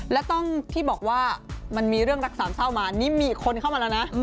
และต้องที่บอกว่ามันมีเรื่องรักสามเศร้ามานี่มีคนเข้ามาแล้วนะ